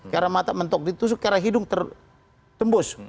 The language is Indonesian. karena mata mentok ditusuk karena hidung tertembus